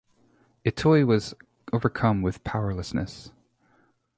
Itoi was overcome with "powerlessness".